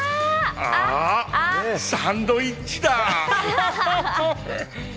サンドイッチだ！